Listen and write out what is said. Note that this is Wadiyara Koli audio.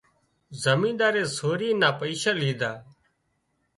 زمينۮارئي سوري نا پئيشا ليڌا